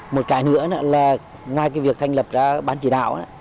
một cái nữa là ngay việc thành lập ra bán chỉ đạo